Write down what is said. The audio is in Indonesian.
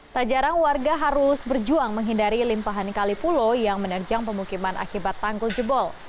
sajarang warga harus berjuang menghindari limpahan kali puluh yang menerjang pemukiman akibat tanggul jebol